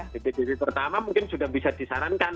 pbdb pertama mungkin sudah bisa disarankan